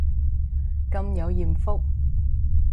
咁有艷福